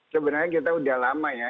sebenarnya kita udah lama ya